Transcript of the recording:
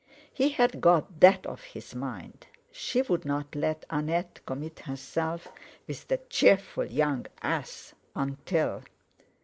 He had got that off his mind; she would not let Annette commit herself with that cheerful young ass until...!